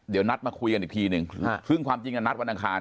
เดี๋ยวนัดมาคุยกันอีกทีหนึ่งซึ่งความจริงนัดวันอังคาร